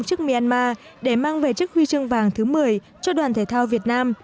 trước myanmar để mang về chiếc huy chương vàng thứ một mươi cho đoàn thể thao việt nam